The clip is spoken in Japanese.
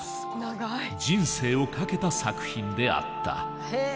人生をかけた作品であった。